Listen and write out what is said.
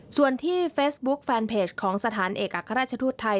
ส่วนที่เฟซบุ๊คแฟนเพจของสถานเอกอัครราชทูตไทย